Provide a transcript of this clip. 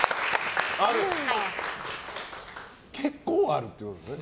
結構あるってことですか？